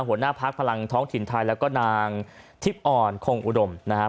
หัวหน้าพักพลังท้องถิ่นไทยแล้วก็นางทิพย์อ่อนคงอุดมนะฮะ